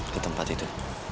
ke tempat itu